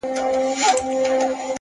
ستونزې پټ قوتونه راویښوي,